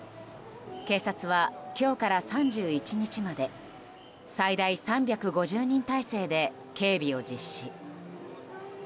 警察は今日から３１日まで最大３５０人態勢で警備を実施。